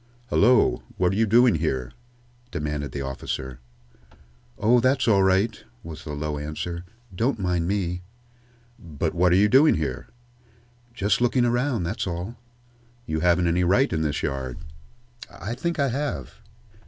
"Hullo! What are you doing here?" demanded the officer. "Oh, that's all right," was the low answer. "Don't mind me." "But what are you doing here?" "Just looking around, that's all." "You haven't any right in this yard." "I think I have."